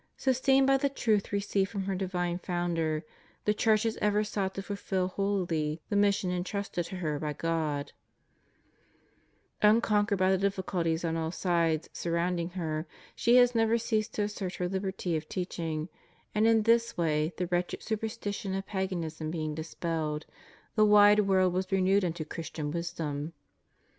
Sustained by the truth received from her divine Founder, the Church has ever sought to fulfil holily the mission entrusted to her by God; unconquered by the difficulties on all sides surround ing her, she has never ceased to assert her Uberty of teach ing, and in this way the wretched superstition of paganism being dispelled, the wide world was renewed unto Christian wisdom.